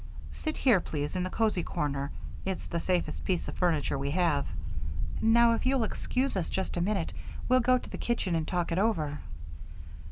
Sit here, please, in the cozy corner it's the safest piece of furniture we have. Now if you'll excuse us just a minute we'll go to the kitchen and talk it over."